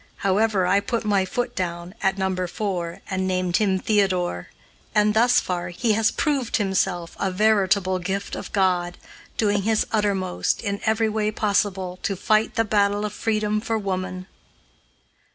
However, I put my foot down, at No. 4, and named him Theodore, and, thus far, he has proved himself a veritable "gift of God," doing his uttermost, in every way possible, to fight the battle of freedom for woman.